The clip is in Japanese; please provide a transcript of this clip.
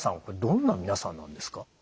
これどんな皆さんなんですか？